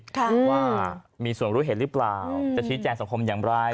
ค่ะว่ามีส่วนรู้เห็นหรือเปล่าจะชี้แจงสังคมอย่างไร